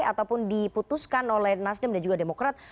ataupun diputuskan oleh nasdem dan juga demokrat